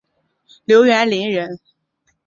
刘元霖人。